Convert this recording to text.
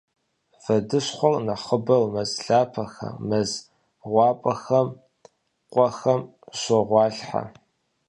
Вэдыщхъуэр нэхъыбэу мэз лъапэхэм, мэз гъуапӏэхэм, къуэхэм щогъуалъхьэ.